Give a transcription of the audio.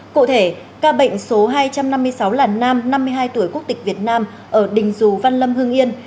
cụ thể ca bệnh số hai trăm năm mươi sáu là nam năm mươi hai tuổi quốc tịch việt nam ở đình dù văn lâm hương yên